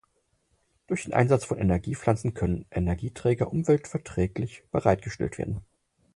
Durch den Einsatz von Energiepflanzen können Energieträger umweltverträglich bereitgestellt werden.